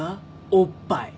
おっぱい。